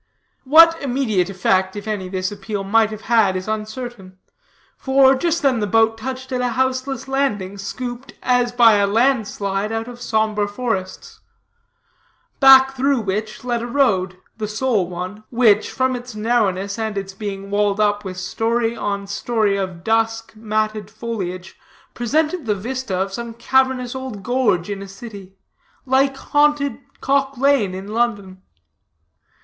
What immediate effect, if any, this appeal might have had, is uncertain. For just then the boat touched at a houseless landing, scooped, as by a land slide, out of sombre forests; back through which led a road, the sole one, which, from its narrowness, and its being walled up with story on story of dusk, matted foliage, presented the vista of some cavernous old gorge in a city, like haunted Cock Lane in London.